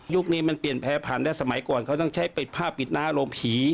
ยุคนี้เป็นแพงผลันได้สมัยก่อนเขาต้องใช้ผ้าไปปิดหน้าลมหี